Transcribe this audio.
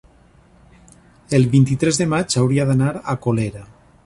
el vint-i-tres de maig hauria d'anar a Colera.